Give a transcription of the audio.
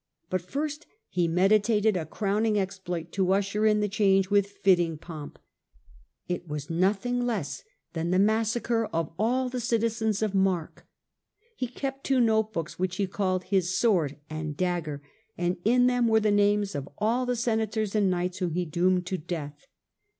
But first he medita ted a crowning exploit to usher in the change with fit ting pomp. It was nothing less than the massacre of all the citizens of mark. He kept two note books, which he called his ' sword ^ and ^ dagger,' and in them were the names of all the senators and knights whom he doomed to death.